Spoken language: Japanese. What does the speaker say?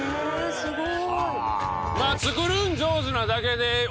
すごーい！